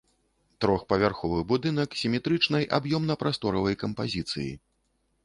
Трохпавярховы будынак сіметрычнай аб'ёмна-прасторавай кампазіцыі.